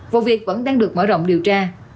vụ việc vẫn đang được mở rộng điều tra